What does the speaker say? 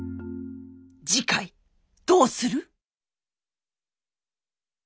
次回どうする？